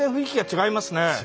違いますね。